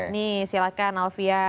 nih silahkan alvia